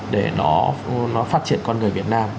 để nó phát triển con người việt nam